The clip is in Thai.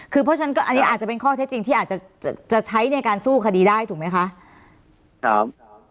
คือเพราะฉะนั้นอันนี้อาจจะเป็นข้อเท็จจริงที่อาจจะใช้ในการสู้คดีได้ถูกไหมคะครับ